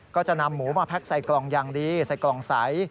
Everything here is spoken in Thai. ก็จะนำหมูมาแพ็กใส่กล่องอย่างดีใส่กล่องใส